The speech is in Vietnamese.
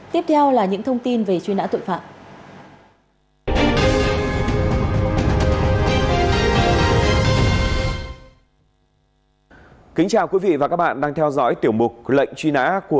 tiếp theo là những thông tin về chuyên đã tội phạm